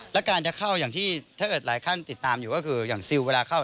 แล้วการจะเข้าอย่างที่ถ้าเกิดหลายท่านติดตามอยู่ก็คืออย่างซิลเวลาเข้า